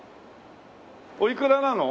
おいくらなの？